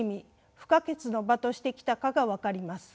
不可欠な場としてきたかが分かります。